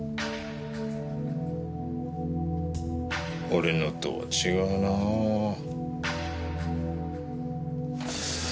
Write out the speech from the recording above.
俺のとは違うなあ。